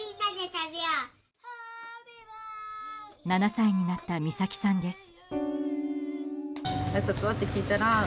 ７歳になった美咲さんです。